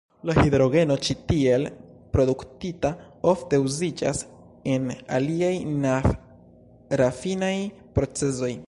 La hidrogeno ĉi tiel produktita ofte uziĝas en aliaj naft-rafinaj procezoj.